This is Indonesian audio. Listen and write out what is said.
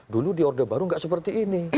dulu di orde baru nggak seperti ini